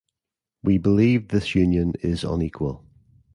We believe this union is unequal.